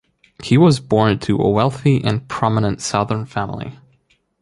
He was born to a wealthy and prominent Southern family.